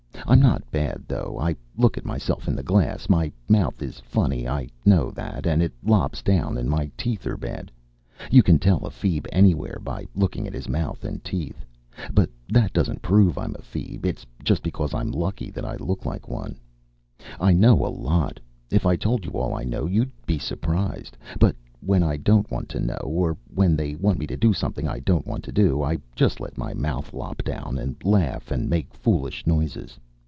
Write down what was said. I'm not bad, though. I look at myself in the glass. My mouth is funny, I know that, and it lops down, and my teeth are bad. You can tell a feeb anywhere by looking at his mouth and teeth. But that doesn't prove I'm a feeb. It's just because I'm lucky that I look like one. I know a lot. If I told you all I know, you'd be surprised. But when I don't want to know, or when they want me to do something I don't want to do, I just let my mouth lop down and laugh and make foolish noises.